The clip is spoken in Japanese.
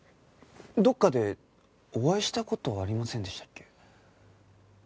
どこかでお会いした事ありませんでしたっけ？